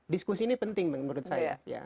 diskusi ini penting menurut saya